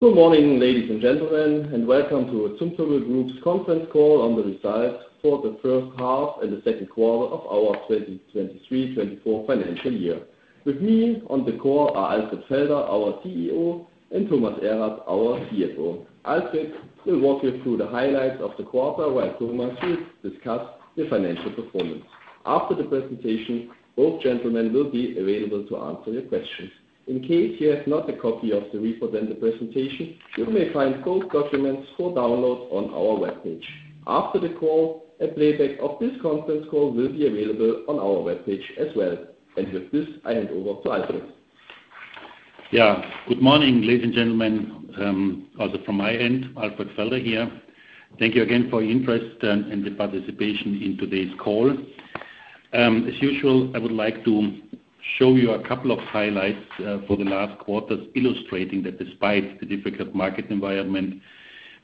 Good morning, ladies and gentlemen, and welcome to Zumtobel Group's Conference Call on the results for the first half and the second quarter of our 2023/2024 financial year. With me on the call are Alfred Felder, our CEO, and Thomas Erath, our CFO. Alfred will walk you through the highlights of the quarter, while Thomas will discuss the financial performance. After the presentation, both gentlemen will be available to answer your questions. In case you have not a copy of the report and the presentation, you may find both documents for download on our webpage. After the call, a playback of this conference call will be available on our webpage as well. With this, I hand over to Alfred. Yeah. Good morning, ladies and gentlemen, also from my end, Alfred Felder here. Thank you again for your interest and, and the participation in today's call. As usual, I would like to show you a couple of highlights for the last quarter, illustrating that despite the difficult market environment,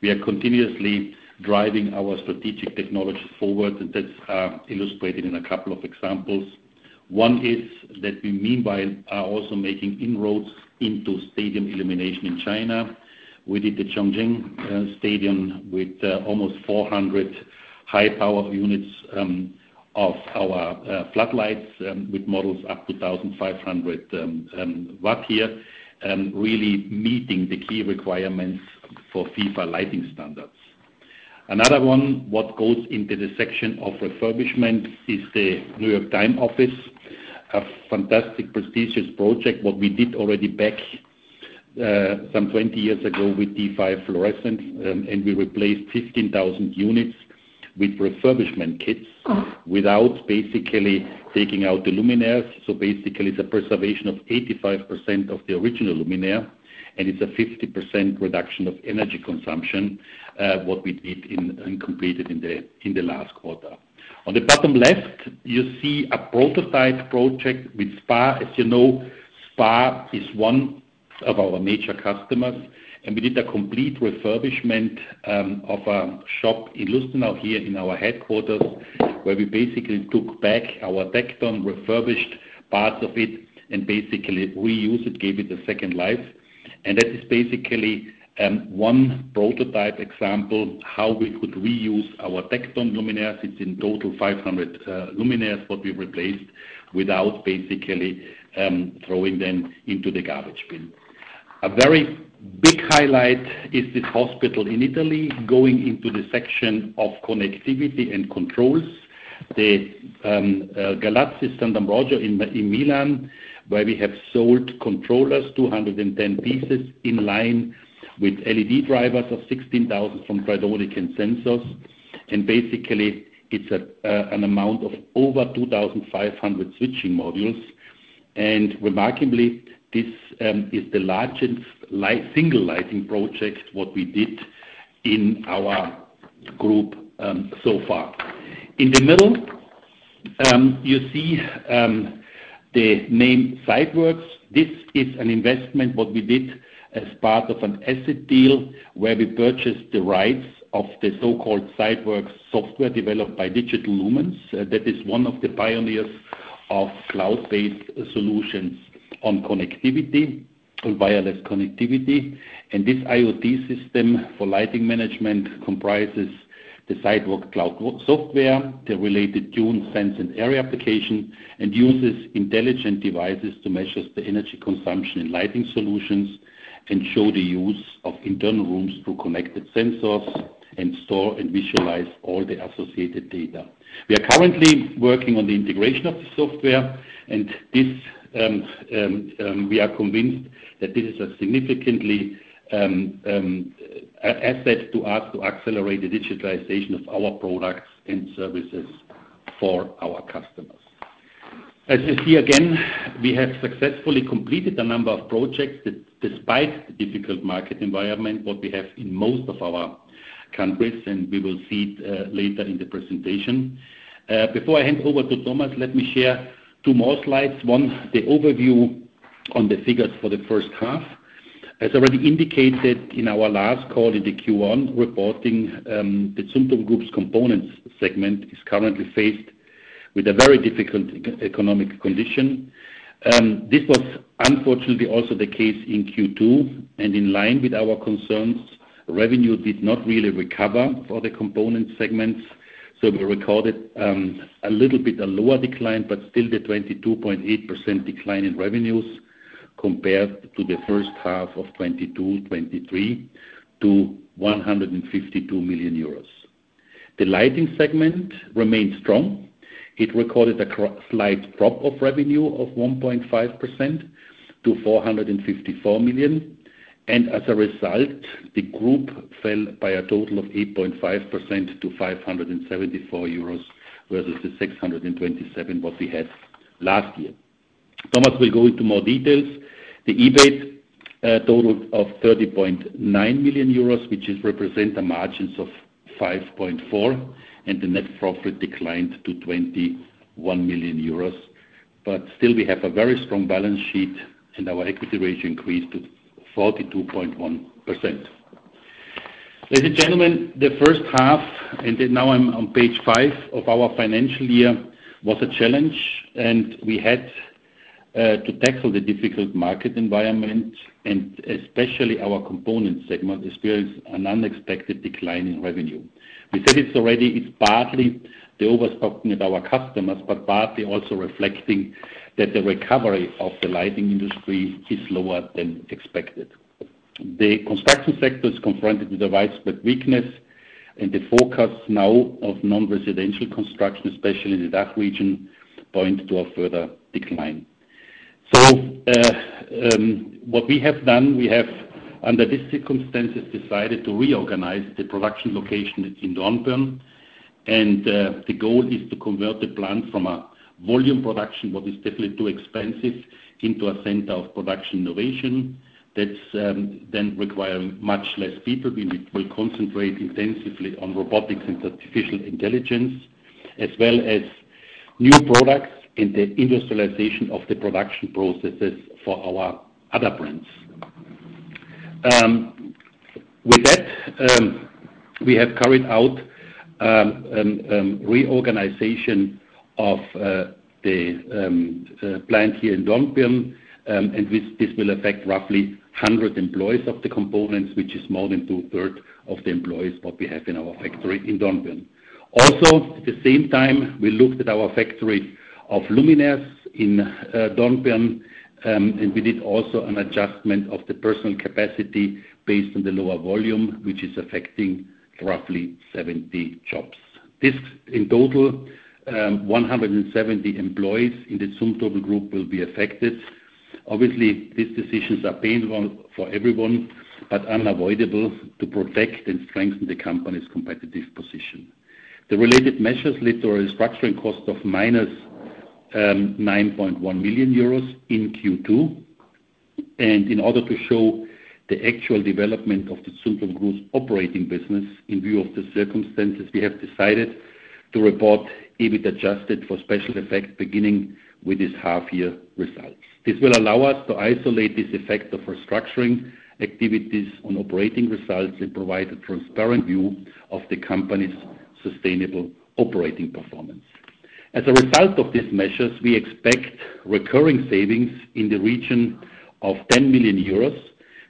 we are continuously driving our strategic technologies forward, and that's illustrated in a couple of examples. One is that we meanwhile are also making inroads into stadium illumination in China. We did the Chongqing stadium with almost 400 high-power units of our floodlights with models up to 1,500 Watt year, really meeting the key requirements for FIFA lighting standards. Another one, what goes into the section of refurbishment is the New York Times office, a fantastic, prestigious project, what we did already back some 20 years ago with T5 fluorescent, and we replaced 15,000 units with refurbishment kits, without basically taking out the luminaires. Basically, it's a preservation of 85% of the original luminaire, and it's a 50% reduction of energy consumption, what we did and completed in the last quarter. On the bottom left, you see a prototype project with SPAR. As you know, SPAR is one of our major customers, and we did a complete refurbishment of a shop in Lustenau, here in our headquarters, where we basically took back our TECTON refurbished parts of it and basically reused it, gave it a second life. That is basically one prototype example, how we could reuse our TECTON luminaires. It's in total 500 luminaires, what we replaced without basically throwing them into the garbage bin. A very big highlight is this hospital in Italy, going into the section of connectivity and controls. The Ospedale San Raffaele in Milan, where we have sold controllers, 210 pieces, in line with LED drivers of 16,000 from Tridonic and sensors. Basically, it's an amount of over 2,500 switching modules. Remarkably, this is the largest single lighting project, what we did in our group, so far. In the middle, you see the name SiteWorx. This is an investment, what we did as part of an asset deal, where we purchased the rights of the so-called SiteWorx software developed by Digital Lumens. That is one of the pioneers of cloud-based solutions on connectivity, on wireless connectivity. This IoT system for lighting management comprises the Siteworx cloud work software, the related Tune, Sense, and Area application, and uses intelligent devices to measure the energy consumption and lighting solutions, and show the use of internal rooms through connected sensors, and store and visualize all the associated data. We are currently working on the integration of the software, and this, we are convinced that this is a significantly, a asset to us to accelerate the digitalization of our products and services for our customers. As you see again, we have successfully completed a number of projects that, despite the difficult market environment what we have in most of our countries, and we will see it later in the presentation. Before I hand over to Thomas, let me share two more slides. One, the overview on the figures for the first half. As already indicated in our last call, in the Q1 reporting, the Zumtobel Group's components segment is currently faced with a very difficult economic condition. This was unfortunately also the case in Q2, and in line with our concerns, revenue did not really recover for the component segments. We recorded a little bit a lower decline, but still the 22.8% decline in revenues compared to the first half of 2022-2023 to 152 million euros. The lighting segment remained strong. It recorded a slight drop of revenue of 1.5% to 454 million, and as a result, the group fell by a total of 8.5% to 574 million euros, versus the 627, what we had last year. Thomas will go into more details. The EBIT totaled 30.9 million euros, which is represent the margins of 5.4%, and the net profit declined to 21 million euros. Still, we have a very strong balance sheet, and our equity ratio increased to 42.1%. Ladies and gentlemen, the first half, and then now I'm on page five of our financial year, was a challenge, and we had to tackle the difficult market environment, and especially our component segment, experienced an unexpected decline in revenue. We said it already, it's partly the overstocking of our customers, but partly also reflecting that the recovery of the lighting industry is lower than expected. The construction sector is confronted with a widespread weakness, and the forecast now of non-residential construction, especially in the DACH region, point to a further decline. What we have done, we have, under these circumstances, decided to reorganize the production location in Dornbirn, and, the goal is to convert the plant from a volume production, what is definitely too expensive, into a center of production innovation. That's, then require much less people. We will concentrate intensively on robotics and artificial intelligence, as well as new products in the industrialization of the production processes for our other brands. With that, we have carried out reorganization of the plant here in Dornbirn, and this will affect roughly 100 employees of the components, which is more than two-thirds of the employees, what we have in our factory in Dornbirn. At the same time, we looked at our factory of luminaire in Dornbirn, and we did also an adjustment of the personnel capacity based on the lower volume, which is affecting roughly 70 jobs. This in total, 170 employees in the Zumtobel Group will be affected. Obviously, these decisions are painful for everyone, but unavoidable to protect and strengthen the company's competitive position. The related measures lead to a restructuring cost of -9.1 million euros in Q2. In order to show the actual development of the Zumtobel Group's operating business, in view of the circumstances, we have decided to report EBIT adjusted for special effects, beginning with this half year results. This will allow us to isolate this effect of restructuring activities on operating results and provide a transparent view of the company's sustainable operating performance. As a result of these measures, we expect recurring savings in the region of 10 million euros,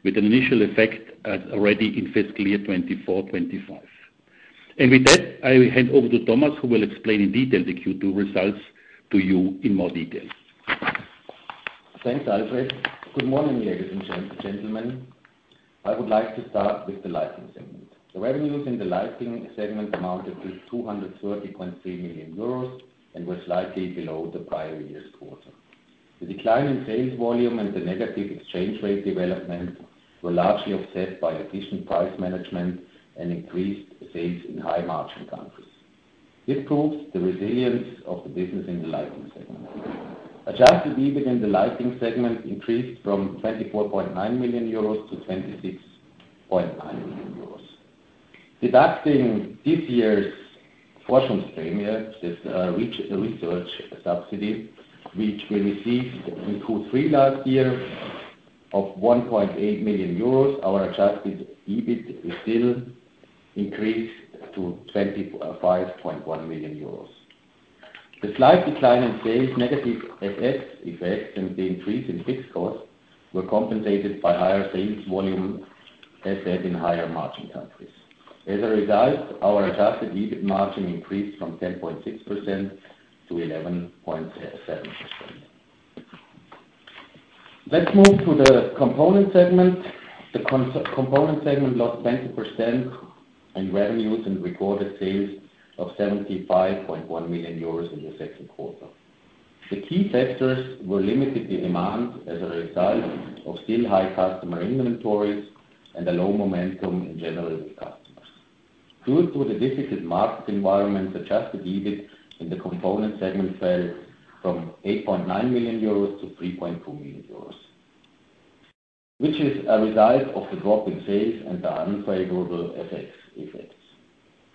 with an initial effect as already in fiscal year 2024, 2025. And with that, I will hand over to Thomas, who will explain in detail the Q2 results to you in more detail. Thanks, Alfred. Good morning, ladies and gentlemen. I would like to start with the lighting segment. The revenues in the lighting segment amounted to 230.3 million euros, and were slightly below the prior year's quarter. The decline in sales volume and the negative exchange rate development were largely offset by additional price management and increased sales in high-margin countries. This proves the resilience of the business in the lighting segment. Adjusted EBIT in the lighting segment increased from 24.9 million euros to 26.9 million euros. Deducting this year's Forschungspramie, yeah, this, research subsidy, which we received in Q3 last year of 1.8 million euros, our adjusted EBIT is still increased to 25.1 million euros. The slight decline in sales, negative FX effects, and the increase in fixed costs were compensated by higher sales volume, as said, in higher margin countries. As a result, our adjusted EBIT margin increased from 10.6% to 11.7%. Let's move to the component segment. The component segment lost 20% in revenues and recorded sales of 75.1 million euros in the second quarter. The key factors were limited in demand as a result of still high customer inventories and a low momentum in general with customers. Due to the difficult market environment, adjusted EBIT in the component segment fell from 8.9 million euros to 3.2 million euros, which is a result of the drop in sales and the unfavorable FX effects.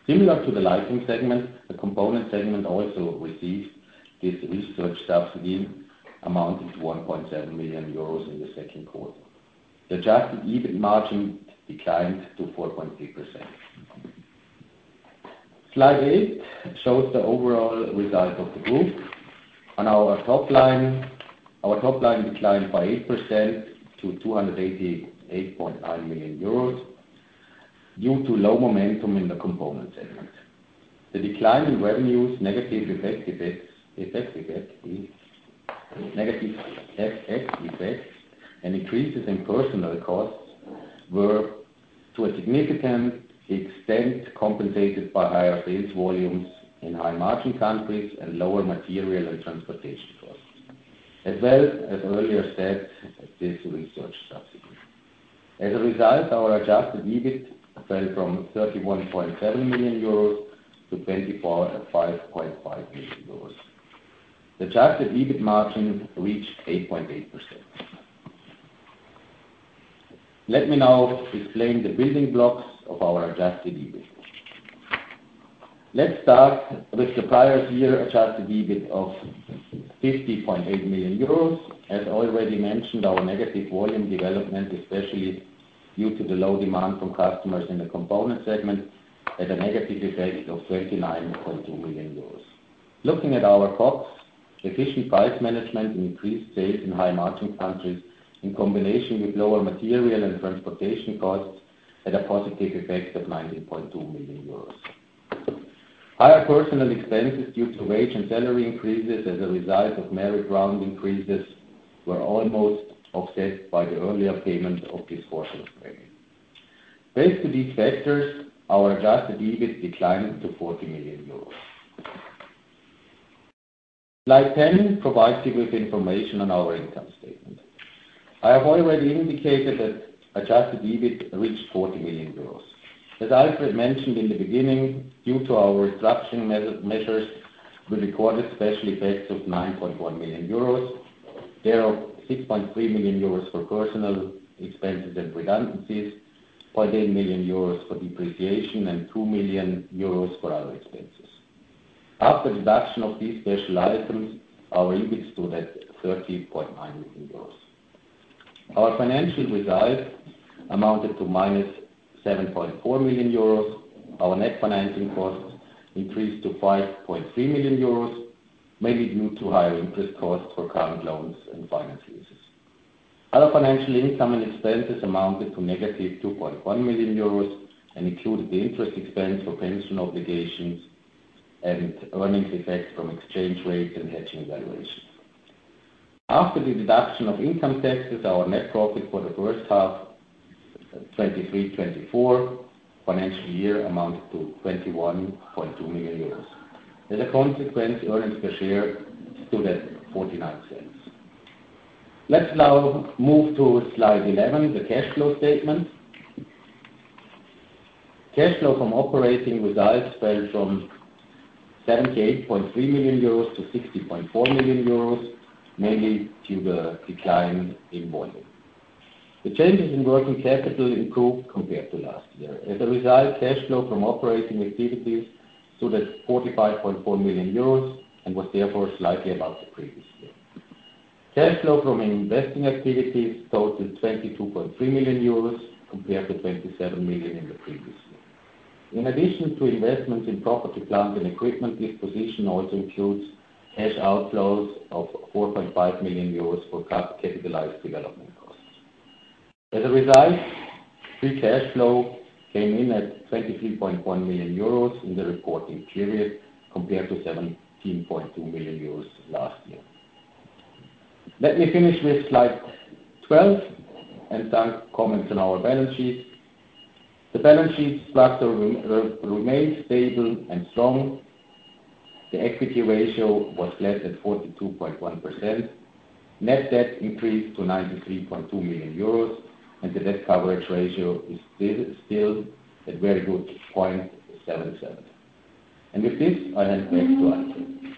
Similar to the lighting segment, the component segment also received this research subsidy, amounting to 1.7 million euros in the second quarter. The adjusted EBIT margin declined to 4.6%. Slide 8 shows the overall result of the group. On our top line, our top line declined by 8% to 288.9 million euros, due to low momentum in the component segment. The decline in revenues, negative effects is negative FX effects, and increases in personnel costs were, to a significant extent, compensated by higher sales volumes in high-margin countries and lower material and transportation costs. As well, as earlier said, this research subsidy. As a result, our adjusted EBIT fell from 31.7 million euros to 24.5 million euros. The adjusted EBIT margin reached 8.8%. Let me now explain the building blocks of our adjusted EBIT. Let's start with the prior year, adjusted EBIT of 50.8 million euros. As already mentioned, our negative volume development, especially due to the low demand from customers in the component segment, had a negative effect of 29.2 million euros. Looking at our costs, efficient price management and increased sales in high margin countries, in combination with lower material and transportation costs, had a positive effect of 19.2 million euros. Higher personnel expenses due to wage and salary increases as a result of merit round increases were almost offset by the earlier payment of this quarter's premium. Thanks to these factors, our adjusted EBIT declined to 40 million euros. Slide 10 provides you with information on our income statement. I have already indicated that adjusted EBIT reached 40 million euros. As Alfred mentioned in the beginning, due to our restructuring measures, we recorded special effects of 9.1 million euros. Thereof, 6.3 million euros for personnel expenses and redundancies, 0.8 million euros for depreciation, and 2 million euros for other expenses. After deduction of these special items, our EBIT stood at 13.9 million euros. Our financial results amounted to -7.4 million euros. Our net financing costs increased to 5.3 million euros, mainly due to higher interest costs for current loans and finance leases. Other financial income and expenses amounted to -2.1 million euros, and included the interest expense for pension obligations and earnings effects from exchange rates and hedging valuations. After the deduction of income taxes, our net profit for the first half, 2023-2024 financial year amounted to 21.2 million euros. As a consequence, earnings per share stood at 0.49. Let's now move to slide 11, the cash flow statement. Cash flow from operating results fell from 78.3 million euros to 60.4 million euros, mainly due to the decline in volume. The changes in working capital improved compared to last year. As a result, cash flow from operating activities stood at 45.4 million euros and was therefore slightly above the previous year. Cash flow from investing activities totaled 22.3 million euros, compared to 27 million in the previous year. In addition to investments in property, plant, and equipment, this position also includes cash outflows of 4.5 million euros for capitalized development costs. As a result, free cash flow came in at 23.1 million euros in the reporting period, compared to 17.2 million euros last year. Let me finish with slide 12, and then comments on our balance sheet. The balance sheet structure remains stable and strong. The equity ratio was less at 42.1%. Net debt increased to 93.2 million euros, and the debt coverage ratio is still, still at a very good 0.77. With this, I hand back to Alfred.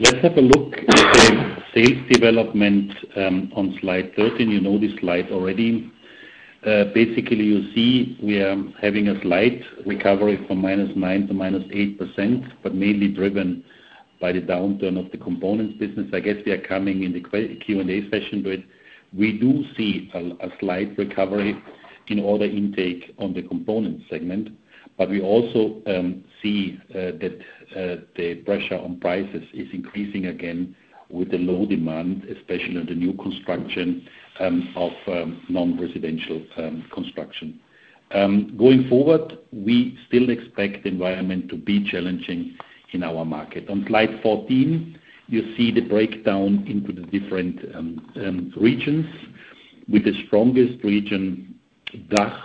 Let's have a look at the sales development on slide 13. You know this slide already. Basically, you see we are having a slight recovery from -9% to -8%, but mainly driven by the downturn of the components business. I guess we are coming in the Q&A session, but we do see a slight recovery in order intake on the components segment. We also see that the pressure on prices is increasing again with the low demand, especially on the new construction of non-residential construction. Going forward, we still expect the environment to be challenging in our market. On slide 14, you see the breakdown into the different regions, with the strongest region, DACH,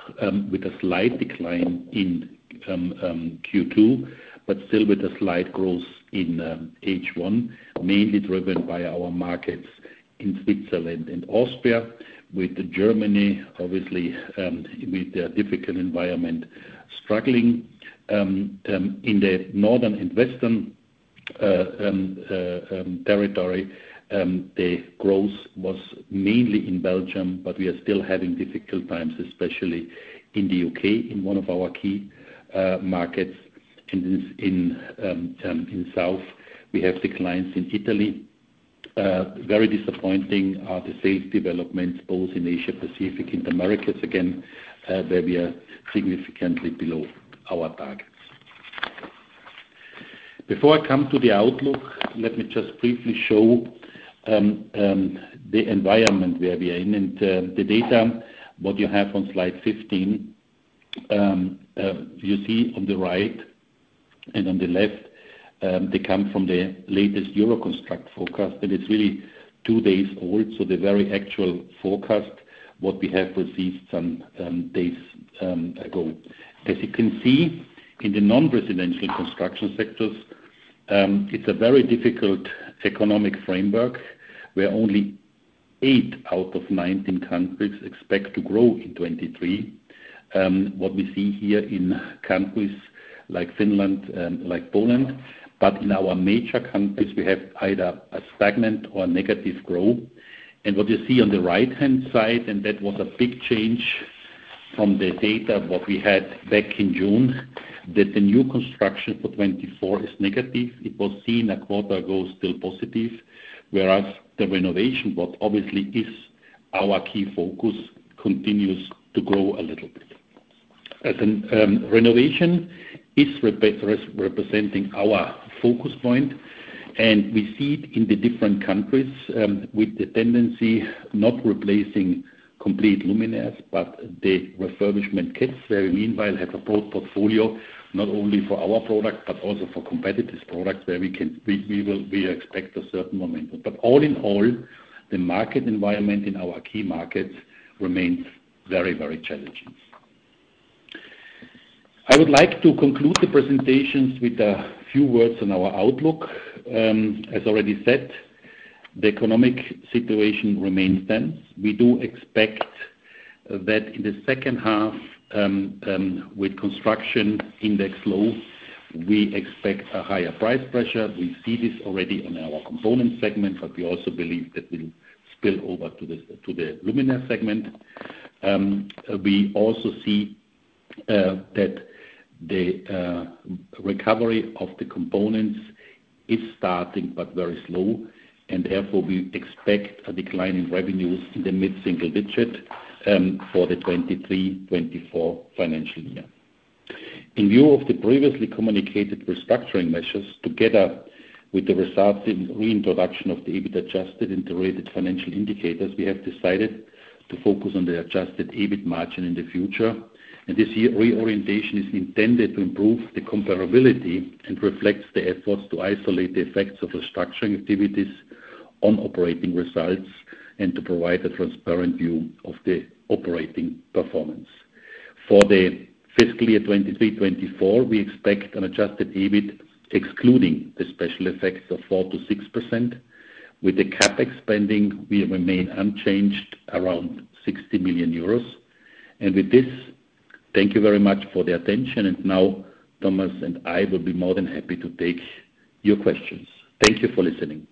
with a slight decline in Q2, but still with a slight growth in H1, mainly driven by our markets in Switzerland and Austria, with Germany obviously with a difficult environment, struggling. In the northern and western territory, the growth was mainly in Belgium, but we are still having difficult times, especially in the U.K., in one of our key markets. In south, we have declines in Italy. Very disappointing are the sales developments, both in Asia Pacific and the Americas. Again, where we are significantly below our targets. Before I come to the outlook, let me just briefly show the environment where we are in. The data, what you have on slide 15, you see on the right and on the left, they come from the latest Euroconstruct forecast, and it's really 2 days old, so the very actual forecast, what we have received some days ago. As you can see, in the non-residential construction sectors, it's a very difficult economic framework, where only 8 out of 19 countries expect to grow in 2023. What we see here in countries like Finland and like Poland, but in our major countries, we have either a stagnant or negative growth. What you see on the right-hand side, and that was a big change from the data what we had back in June, that the new construction for 2024 is negative. It was seen a quarter ago, still positive, whereas the renovation, what obviously is our key focus, continues to grow a little bit. As in, renovation is representing our focus point, and we see it in the different countries, with the tendency not replacing complete luminaires, but the refurbishment kits, where we meanwhile have a broad portfolio, not only for our product but also for competitors' products, where we can expect a certain momentum. All in all, the market environment in our key markets remains very, very challenging. I would like to conclude the presentations with a few words on our outlook. As already said, the economic situation remains tense. We do expect that in the second half, with construction index low, we expect a higher price pressure. We see this already in our component segment, but we also believe that will spill over to the luminaire segment. We also see that the recovery of the components is starting, but very slow, and therefore we expect a decline in revenues in the mid-single-digit for the 2023-2024 financial year. In view of the previously communicated restructuring measures, together with the resulting reintroduction of the EBIT adjusted and the related financial indicators, we have decided to focus on the adjusted EBIT margin in the future. This year, reorientation is intended to improve the comparability and reflects the efforts to isolate the effects of the structuring activities on operating results and to provide a transparent view of the operating performance. For the fiscal year 2023-2024, we expect an adjusted EBIT, excluding the special effects of 4%-6%. With the CapEx spending, we remain unchanged around 60 million euros. With this, thank you very much for the attention. Now, Thomas and I will be more than happy to take your questions. Thank you for listening.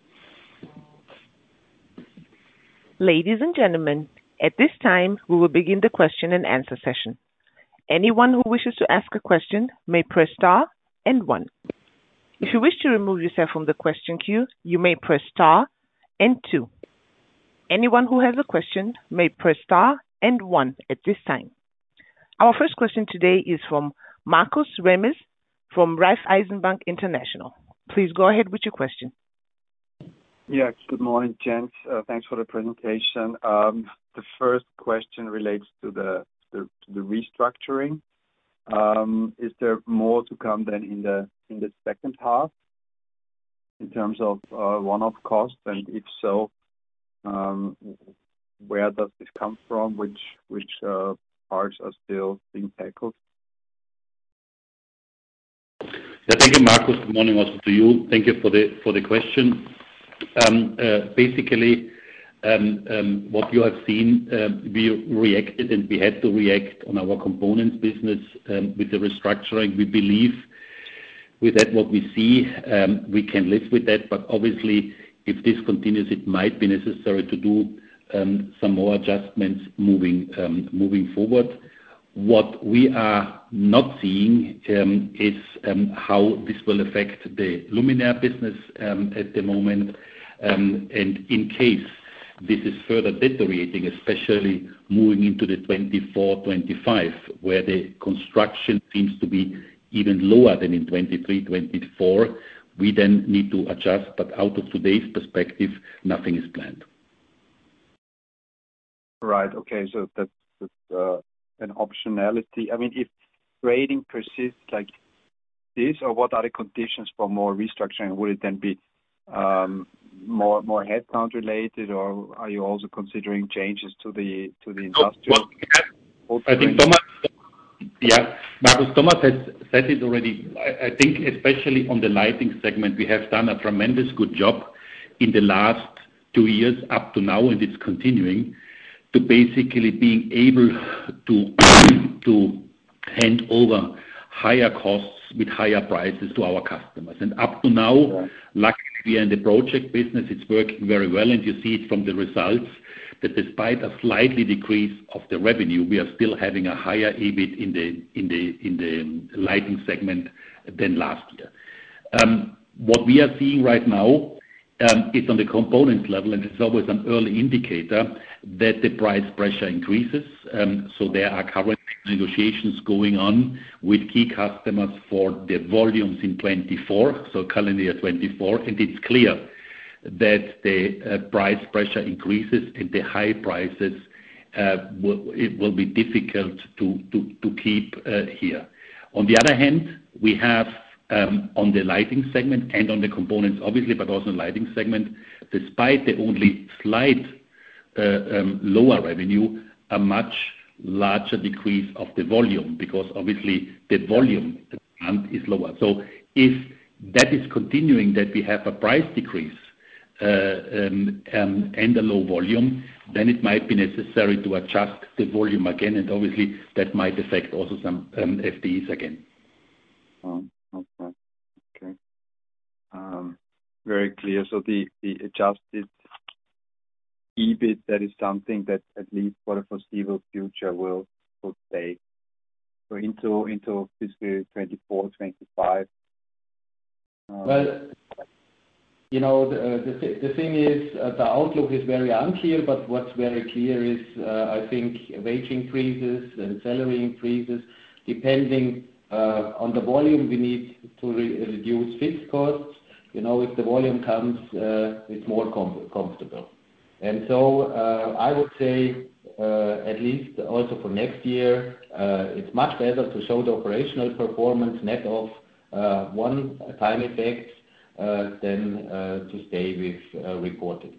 Ladies and gentlemen, at this time, we will begin the question and answer session. Anyone who wishes to ask a question may press star and one. If you wish to remove yourself from the question queue, you may press star and two. Anyone who has a question may press star and one at this time. Our first question today is from Marcus Remmes, from Raiffeisen Bank International. Please go ahead with your question. Yes, good morning, gents. Thanks for the presentation. The first question relates to the restructuring. Is there more to come then in the second half in terms of one-off costs? If so, where does this come from? Which parts are still being tackled? Yeah, thank you, Marcus. Good morning, also to you. Thank you for the question. Basically, what you have seen, we reacted, and we had to react on our components business with the restructuring. We believe with that, what we see, we can live with that, but obviously, if this continues, it might be necessary to do some more adjustments moving forward. What we are not seeing is how this will affect the luminaire business at the moment. In case this is further deteriorating, especially moving into the 2024, 2025, where the construction seems to be even lower than in 2023, 2024, we then need to adjust, but out of today's perspective, nothing is planned. Right. Okay. That's an optionality. I mean, if trading persists like this, or what are the conditions for more restructuring? Would it then be more headcount related, or are you also considering changes to the industrial? I think, Thomas... Yeah. Marcus, Thomas has said it already. I, I think, especially on the lighting segment, we have done a tremendous good job in the last two years up to now, and it's continuing, to basically being able to, to hand over higher costs with higher prices to our customers. And up to now- Yeah. Luckily, in the project business, it's working very well, and you see it from the results, that despite a slightly decrease of the revenue, we are still having a higher EBIT in the lighting segment than last year. What we are seeing right now, is on the component level, and it's always an early indicator, that the price pressure increases. There are current negotiations going on with key customers for the volumes in 2024, so calendar year 2024. And it's clear that the price pressure increases and the high prices will—it will be difficult to keep here. On the other hand, we have, on the lighting segment and on the components, obviously, but also in lighting segment, despite the only slight, lower revenue, a much larger decrease of the volume, because obviously the volume, the demand is lower. If that is continuing, that we have a price decrease, and a low volume, then it might be necessary to adjust the volume again, and obviously, that might affect also some, FTEs again. Okay... Very clear. The adjusted EBIT, that is something that at least for the foreseeable future, will stay so into fiscal 2024, 2025? Well, you know, the thing is, the outlook is very unclear, but what's very clear is, I think wage increases and salary increases, depending on the volume we need to reduce fixed costs. You know, if the volume comes, it's more comfortable. I would say, at least also for next year, it's much better to show the operational performance net of one-time effects than to stay with reported.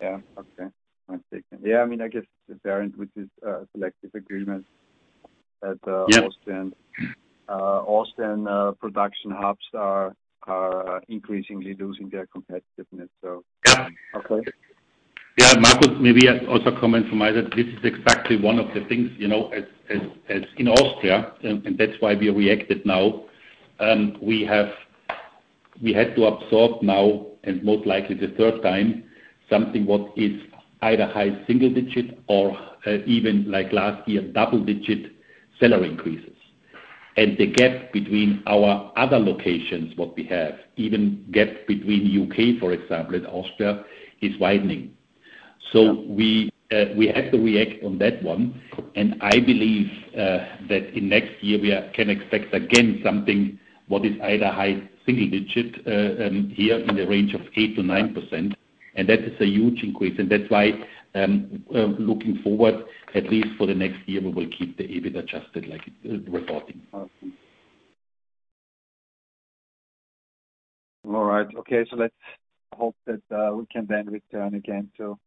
Yeah. Okay. I see. Yeah, I mean, I guess it's apparent with this selective agreement that, Yeah. Austrian Production Hubs are increasingly losing their competitiveness, so- Yeah. Okay. Yeah, Marcus, maybe I also comment from my end. This is exactly one of the things, you know, as in Austria, and that's why we reacted now. We had to absorb now, and most likely the third time, something what is either high single digit or even like last year, double digit salary increases. The gap between our other locations, what we have, even gap between U.K., for example, and Austria, is widening. Yeah. We, we had to react on that one, and I believe, that in next year we are, can expect again something what is either high single digit, here in the range of 8%-9%, and that is a huge increase. That's why, looking forward, at least for the next year, we will keep the EBIT adjusted, like, reporting. Okay. All right, okay. Let's hope that, we can then return again to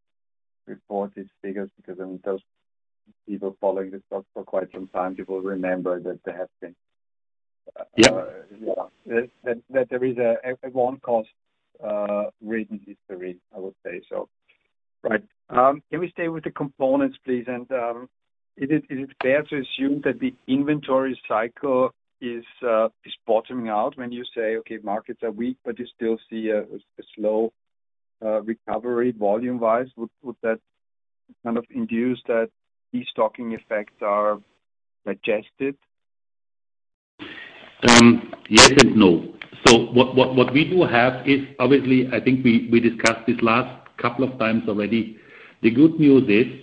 reported figures, because I mean, those people following the stock for quite some time, people remember that there have been, Yeah. Yeah, that there is a one cost written history, I would say so. Right. Can we stay with the components, please? And, is it fair to assume that the inventory cycle is bottoming out when you say, "Okay, markets are weak," but you still see a slow recovery volume-wise, would that kind of induce that these stocking effects are digested? Yes and no. What we do have is obviously, I think we discussed this last couple of times already. The good news is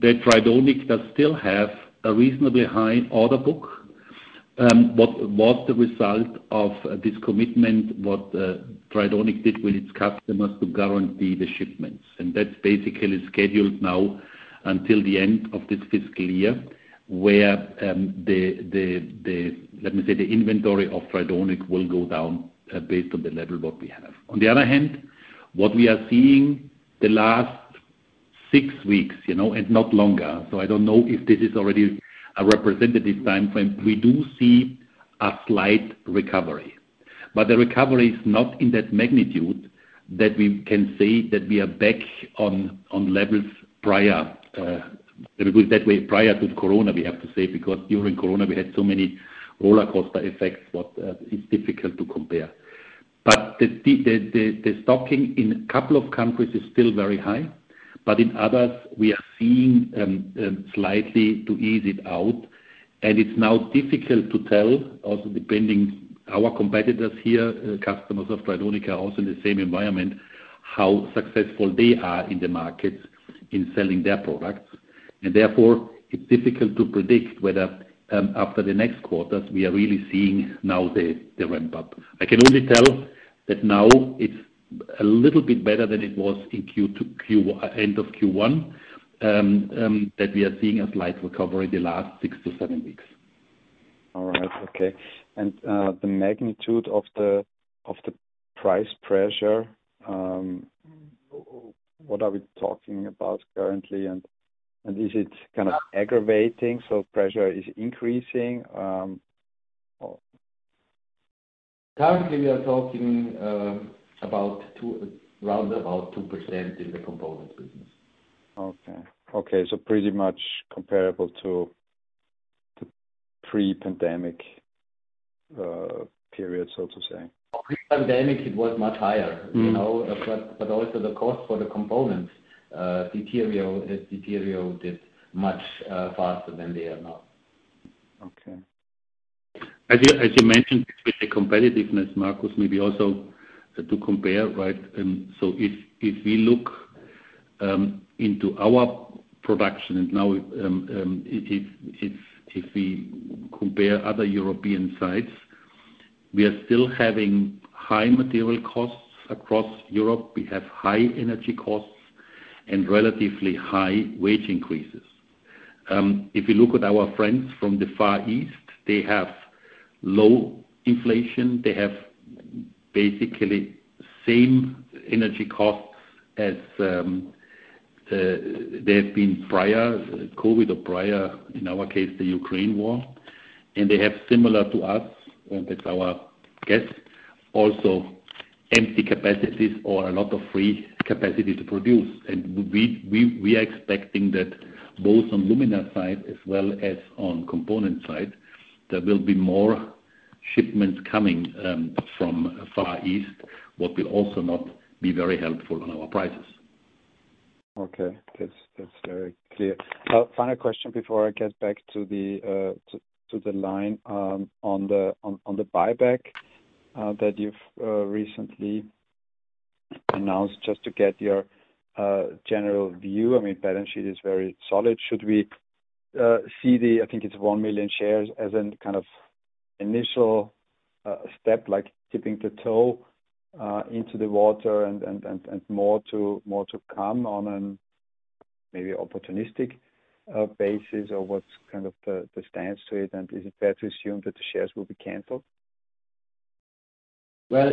that Tridonic does still have a reasonably high order book, what was the result of this commitment, what Tridonic did with its customers to guarantee the shipments. That's basically scheduled now until the end of this fiscal year, where, let me say, the inventory of Tridonic will go down, based on the level what we have. On the other hand, what we are seeing the last six weeks, you know, and not longer, so I don't know if this is already a representative time frame. We do see a slight recovery, but the recovery is not in that magnitude that we can say that we are back on levels prior. Let me put it that way, prior to Corona, we have to say, because during Corona, we had so many rollercoaster effects, but it's difficult to compare. The stocking in a couple of countries is still very high, but in others we are seeing slightly to ease it out. It's now difficult to tell, also, depending our competitors here. Customers of Tridonic are also in the same environment, how successful they are in the market in selling their products. Therefore, it's difficult to predict whether after the next quarters, we are really seeing now the ramp up. I can only tell that now it's a little bit better than it was in Q2 to end of Q1, that we are seeing a slight recovery the last 6-7 weeks. All right. Okay. he magTnitude of the price pressure, what are we talking about currently? Is it kind of aggravating, so pressure is increasing, or? Currently, we are talking about around about 2% in the components business. Okay. Okay, so pretty much comparable to pre-pandemic period, so to say. Pre-pandemic, it was much higher- You know, but also the cost for the components deteriorated much faster than they are now. Okay. As you mentioned, with the competitiveness, Marcus, maybe also to compare, right? If we look into our production and now, if we compare other European sites, we are still having high material costs across Europe. We have high energy costs and relatively high wage increases. If you look at our friends from the Far East, they have low inflation. They have basically same energy costs as they have been prior COVID or prior, in our case, the Ukraine war. And they have, similar to us, and that's our guess, also empty capacities or a lot of free capacity to produce. We are expecting that both on the luminaire side as well as on the component side, there will be more shipments coming from the Far East, what will also not be very helpful on our prices. Okay, that's very clear. Final question before I get back to the line, on the buyback that you've recently announced, just to get your general view. I mean, balance sheet is very solid. Should we see the 1 million shares as in kind of initial step, like dipping the toe into the water and more to come on a maybe opportunistic basis? Or what's the stance to it, and is it fair to assume that the shares will be canceled? Well,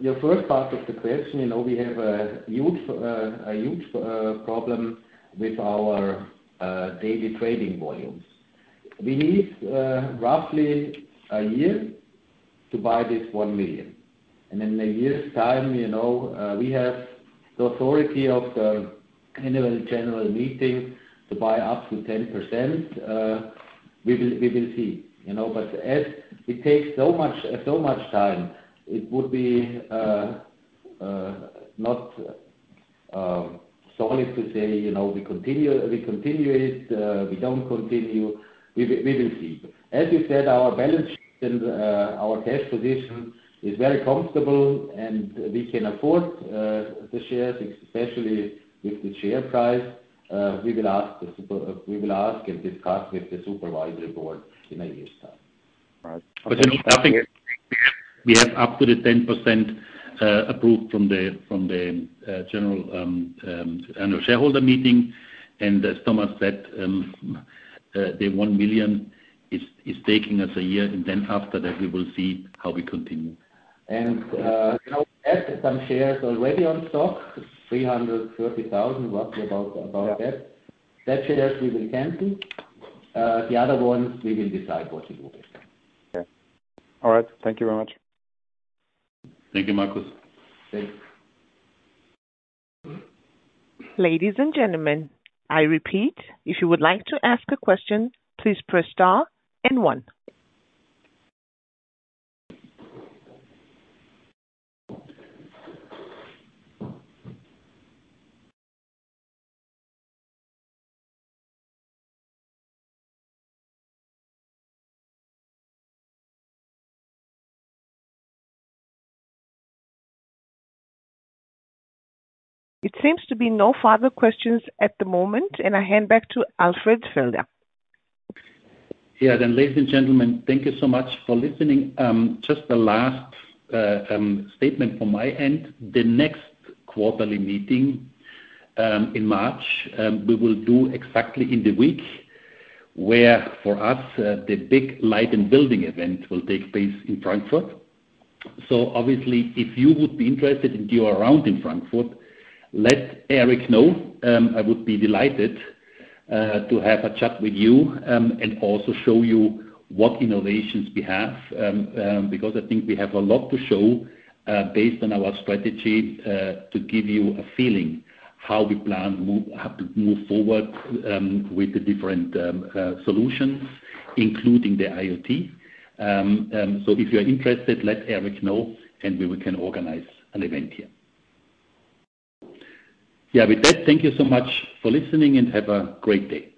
your first part of the question, you know, we have a huge, a huge, problem with our daily trading volumes. We need roughly a year to buy this 1 million, and in a year's time, you know, we have the authority of the annual general meeting to buy up to 10%. We will, we will see, you know, but as it takes so much, so much time, it would be not solid to say, you know, we continue, we continue it, we don't continue. We will, we will see. As you said, our balance sheet and our cash position is very comfortable, and we can afford the shares, especially with the share price. We will ask the super-- we will ask and discuss with the supervisory board in a year's time. Right. I think we have up to the 10% approved from the general annual shareholder meeting. As Thomas said, the 1 million is taking us a year, and then after that, we will see how we continue. You know, we have some shares already on stock, 330,000, roughly about, about that. That shares we will cancel, the other ones we will decide what to do with it. Okay. All right. Thank you very much. Thank you, Marcus. Thanks. Ladies and gentlemen, I repeat, if you would like to ask a question, please press star and one. It seems to be no further questions at the moment, and I hand back to Alfred Felder. Yeah. Then ladies and gentlemen, thank you so much for listening. Just a last statement from my end. The next quarterly meeting in March, we will do exactly in the week where for us the big Light + Building event will take place in Frankfurt. Obviously, if you would be interested and you are around in Frankfurt, let Eric know. I would be delighted to have a chat with you, and also show you what innovations we have, because I think we have a lot to show, based on our strategy, to give you a feeling how we plan, move, how to move forward, with the different solutions, including the IoT. If you are interested, let Eric know, and we can organize an event here. Yeah, with that, thank you so much for listening and have a great day. Thank you.